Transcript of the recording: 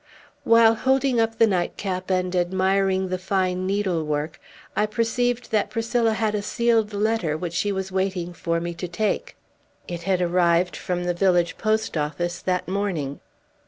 While holding up the nightcap and admiring the fine needlework, I perceived that Priscilla had a sealed letter which she was waiting for me to take. It had arrived from the village post office that morning.